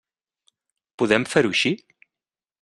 Podem fer-ho així?